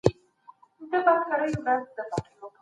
تاسو به د بشري حقوقو درناوی وکړئ.